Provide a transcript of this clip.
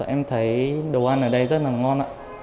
em thấy đồ ăn ở đây rất là ngon ạ